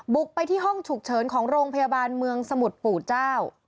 บุกไปที่ห้องฉุกเฉินของโรงพยาบาลเมืองสมุทรปู่เจ้า